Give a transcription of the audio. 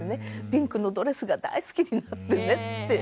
ピンクのドレスが大好きになってね